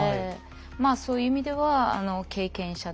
まあそういう意味では経験者でございます。